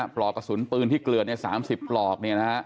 ปลอกขนสุนปืนที่เกลือน๓๐ปลอก